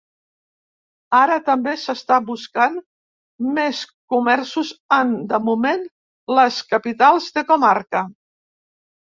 Ara també s’està buscant més comerços en, de moment, les capitals de comarca.